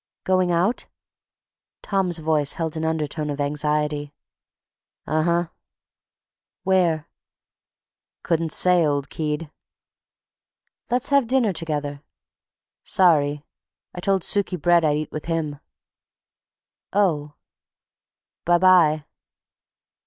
"Going out?" Tom's voice held an undertone of anxiety. "Uh huh." "Where?" "Couldn't say, old keed." "Let's have dinner together." "Sorry. I told Sukey Brett I'd eat with him." "Oh." "By by."